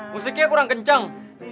musiknya kurang kenceng